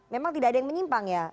memang tidak ada yang menyimpang ya